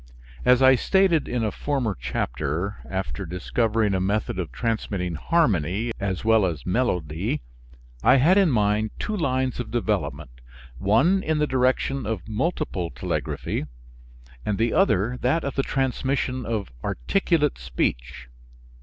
As I stated in a former chapter, after discovering a method of transmitting harmony as well as melody, I had in mind two lines of development, one in the direction of multiple telegraphy, and the other that of the transmission of articulate speech.